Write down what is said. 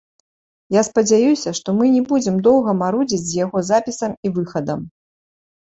Я спадзяюся, што мы не будзем доўга марудзіць з яго запісам і выхадам.